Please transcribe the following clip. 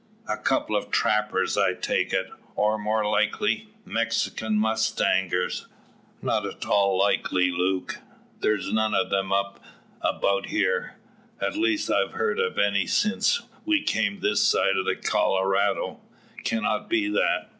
A couple of trappers I take it; or, more likely, Mexican mustangers." "Not at all likely, Luke. There's none o' them 'bout here at least I've not heard of any since we came this side the Colorado. Cannot be that.